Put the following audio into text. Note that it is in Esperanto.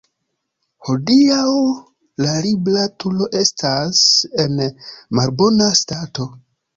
Hodiaŭ la Libra Turo estas en malbona stato.